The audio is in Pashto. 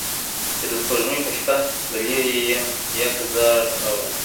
چي د سپوږمۍ په شپه له لیري یکه زار اورمه `